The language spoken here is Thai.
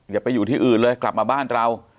อย่าไปอยู่ที่อื่นเลยกลับมาบ้านเรา